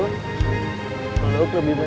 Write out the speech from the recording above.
peluk lebih mesra sininya